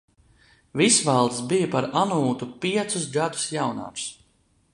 Visvaldis bija par Anūtu piecus gadus jaunāks.